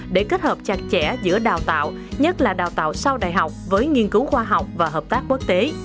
để kết hợp chặt chẽ giữa đào tạo nhất là đào tạo sau đại học với nghiên cứu khoa học và hợp tác quốc tế